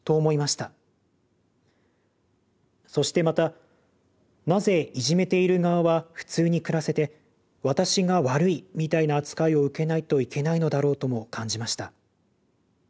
そしてまた『なぜいじめている側は普通に暮らせて私が悪いみたいな扱いを受けないといけないのだろう』とも感じました。